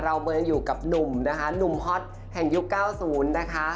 เมืองอยู่กับหนุ่มนะคะหนุ่มฮอตแห่งยุค๙๐นะคะ